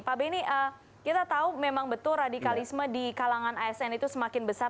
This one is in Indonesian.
pak beni kita tahu memang betul radikalisme di kalangan asn itu semakin besar